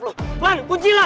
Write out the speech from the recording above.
lan kunci lan